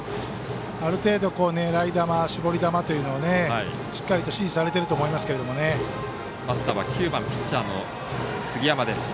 ある程度、狙い球絞り球というのをしっかりと指示されてると思いますけどね。